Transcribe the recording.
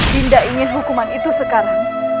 binda ingin hukuman itu sekarang